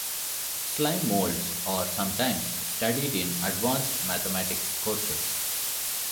Slime molds are sometimes studied in advanced mathematics courses.